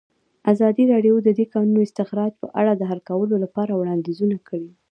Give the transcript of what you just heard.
ازادي راډیو د د کانونو استخراج په اړه د حل کولو لپاره وړاندیزونه کړي.